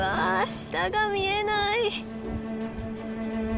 下が見えない！